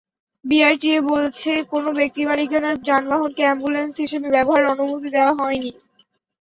BRTA বলছে, কোনো ব্যক্তিমালিকানার যানবাহনকে অ্যাম্বুলেন্স হিসেবে ব্যবহারের অনুমতি দেওয়া হয়নি।